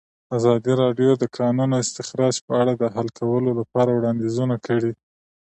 ازادي راډیو د د کانونو استخراج په اړه د حل کولو لپاره وړاندیزونه کړي.